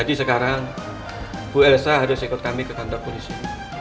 jadi sekarang bu elsa harus ikut kami ke kantor polisi